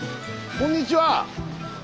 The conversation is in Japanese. こんにちは。